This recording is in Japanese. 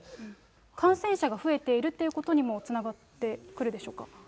感染者が増えているということにもつながってくるでしょうか。